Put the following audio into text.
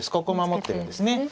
ここを守ってるんですね。